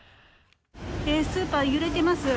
スーパーが揺れています。